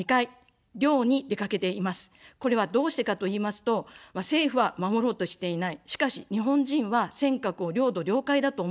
これはどうしてかと言いますと、政府は守ろうとしていない、しかし、日本人は尖閣を領土・領海だと思っているんだと。